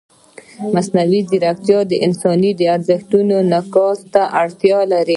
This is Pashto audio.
مصنوعي ځیرکتیا د انساني ارزښتونو انعکاس ته اړتیا لري.